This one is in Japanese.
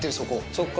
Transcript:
そっか。